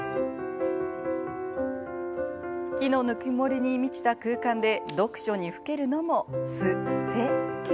木のぬくもりに満ちた空間で読書にふけるのも、すてき。